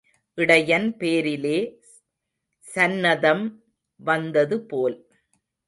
இடையன் பேரிலே சந்நதம் வந்தது போல்.